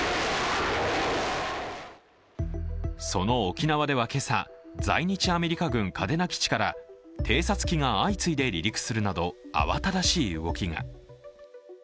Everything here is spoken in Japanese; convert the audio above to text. その沖縄では今朝、在日アメリカ軍嘉手納基地から偵察機が相次いで離陸するなど慌ただしい動きが。